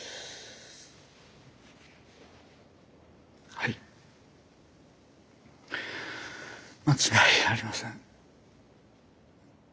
はい間違いありません。